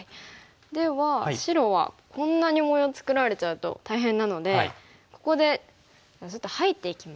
では白はこんなに模様を作られちゃうと大変なのでここでちょっと入っていきます。